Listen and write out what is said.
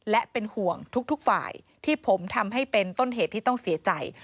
และเป็นห่วงทุกฝ่ายที่ผมทำให้เป็นต้นเหตุที่ต้องเสียใจ